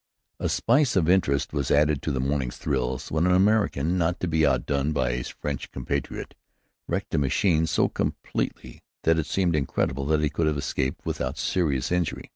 A spice of interest was added to the morning's thrills when an American, not to be outdone by his French compatriot, wrecked a machine so completely that it seemed incredible that he could have escaped without serious injury.